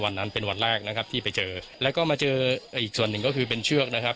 วันนั้นเป็นวันแรกนะครับที่ไปเจอแล้วก็มาเจออีกส่วนหนึ่งก็คือเป็นเชือกนะครับ